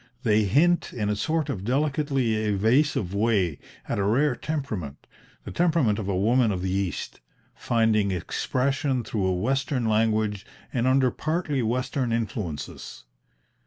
They hint, in a sort of delicately evasive way, at a rare temperament, the temperament of a woman of the East, finding expression through a Western language and under partly Western influences.